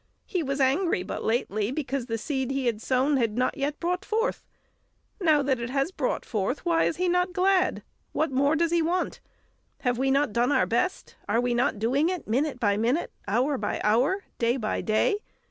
He was angry but lately, because the seed he had sown had not yet brought forth; now that it has brought forth, why is he not glad? What more does he want? Have we not done our best? Are we not doing it minute by minute, hour by hour, day by day?